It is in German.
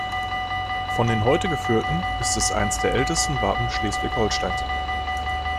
Von den heute geführten ist es eines der älteste Wappen Schleswig-Holsteins.